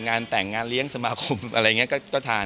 งานแต่งงานเลี้ยงสมาคมอะไรอย่างนี้ก็ทาน